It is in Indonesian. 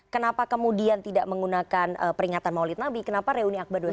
kenapa kemudian tidak menggunakan peringatan maulid nabi kenapa reuni akbar dua ratus dua